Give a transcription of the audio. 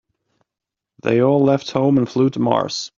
They all left home and flew to Mars.